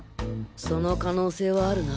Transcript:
その可能性はあるな。